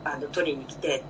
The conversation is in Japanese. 取りに来て。